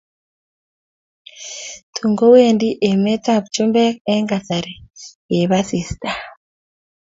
Tun kowendit emet ab chumbek eng kasari eb asista